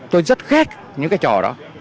tôi rất khét những cái trò đó